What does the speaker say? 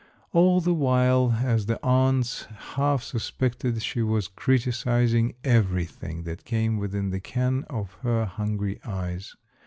All the while, as the aunts half suspected, she was criticising everything that came within the ken of her hungry eyes.